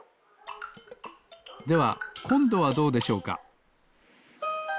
ではこんどはどうでしょうか？